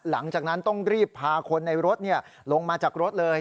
หลังจากนั้นต้องรีบพาคนในรถลงมาจากรถเลย